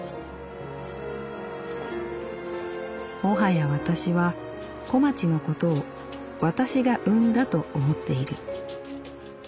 「もはや私は小町のことを私が産んだと思っている」。